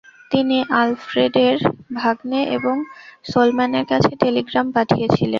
তিনি আলফ্রেডের ভাগ্নে এবং সোলম্যানের কাছে টেলিগ্রাম পাঠিয়েছিলেন।